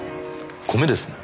米ですね。